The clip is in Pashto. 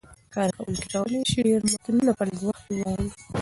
کاروونکي کولای شي ډېر متنونه په لږ وخت کې واړوي.